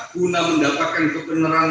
guna mendapatkan kegeneralan